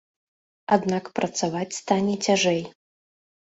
Аднак працаваць стане цяжэй.